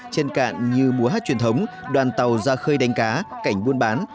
trên cạn như múa hát truyền thống đoàn tàu ra khơi đánh cá cảnh buôn bán